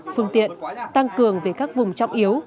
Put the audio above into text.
phương tiện tăng cường về các vùng trọng yếu